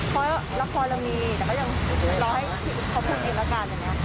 เพราะละครเรามีแต่ก็ยังรอให้พี่อุ๊บเขาพูดเองละกันอย่างนี้